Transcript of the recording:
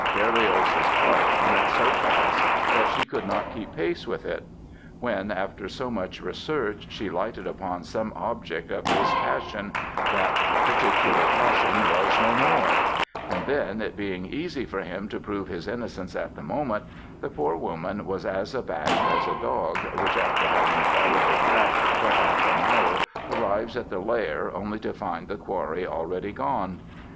Berlioz's heart went so fast that she could not keep pace with it; when, after so much research, she lighted upon some object of his passion, that particular passion was no more; and then, it being easy for him to prove his innocence at the moment, the poor woman was as abashed as a dog which after having followed a track for half an hour, arrives at the lair only to find the quarry already gone".